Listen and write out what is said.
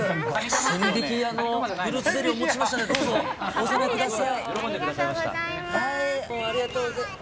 千疋屋のフルーツゼリーをお持ちしましたので、どうぞ、ありがとうございます。